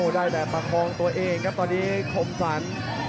ได้แต่ประคองตัวเองถ่อดีแคมโคนสัน